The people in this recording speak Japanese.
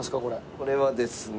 これはですね。